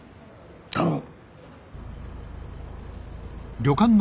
頼む。